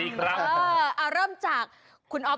ขอลูกค้า